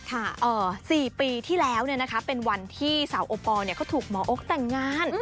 ค่ะเอ่อสี่ปีที่แล้วเนี่ยนะคะเป็นวันที่สาวโอปอล์เนี่ยเขาถูกมอโอ๊กแต่งงาน